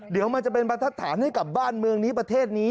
เดี๋ยวมันจะเป็นบรรทัดฐานให้กับบ้านเมืองนี้ประเทศนี้